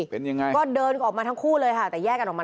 เป็นยังไง